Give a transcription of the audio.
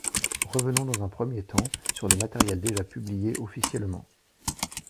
Revenons dans un premier temps sur le matériel déjà publié officiellement.